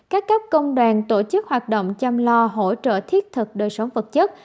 các cấp công đoàn tổ chức hoạt động chăm lo hỗ trợ thiết thực đời sống vật chất